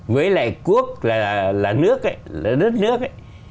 với lại cuốc là rất nước ấy